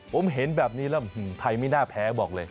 ผมเห็นแบบนี้แล้วไทยไม่น่าแพ้บอกเลย